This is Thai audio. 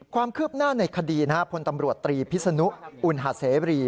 ความคืบหน้าในคดีพลตำรวจตรีพิศนุอุณหาเสบรี